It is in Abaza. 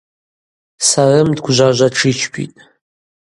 Сарым дгвжважва тшичпитӏ.